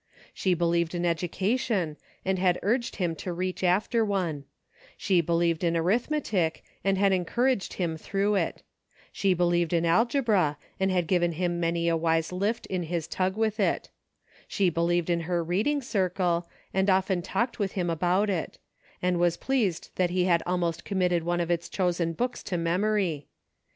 She believed in education, and had urged him to reach after one ; she believed in arithmetic, and had encouraged him through it; she believed in algebra, and had given him many a wise lift in his tug with it ; she believed in her reading circle, and often talked with him about it ; and was pleased that he had almost committed one of its chosen books to memory.